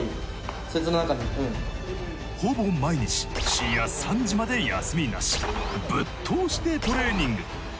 ほぼ毎日深夜３時まで休みなしぶっ通しでトレーニング。